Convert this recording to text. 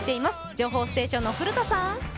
情報ステーションの古田さん！